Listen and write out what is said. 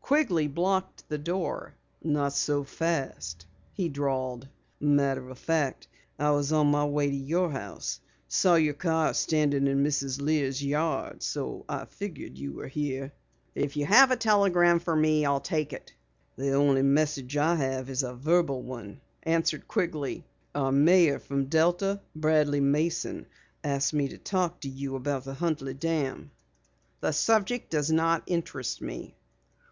Quigley blocked the door. "Not so fast," he drawled. "Matter of fact, I was on my way to your house. Saw your car standing in Mrs. Lear's yard, so I figured you were here." "If you have a telegram for me I'll take it." "The only message I have is a verbal one," answered Quigley. "Our mayor from Delta, Bradley Mason, asked me to talk to you about the Huntley Dam." "The subject doesn't interest me."